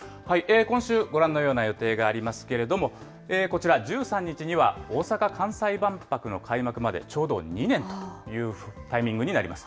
今週、ご覧のような予定がありますけれども、こちら、１３日には大阪・関西万博の開幕まで、ちょうど２年というタイミングになります。